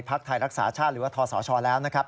ไทยรักษาชาติหรือว่าทศชแล้วนะครับ